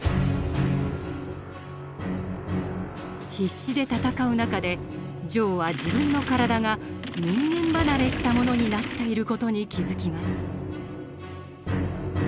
必死で戦う中でジョーは自分の体が人間離れしたものになっている事に気付きます。